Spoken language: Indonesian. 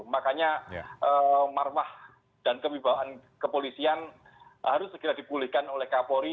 makanya marwah dan kewibawaan kepolisian harus segera dipulihkan oleh kapolri